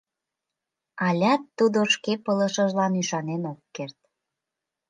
Алят тудо шке пылышыжлан ӱшанен ок керт.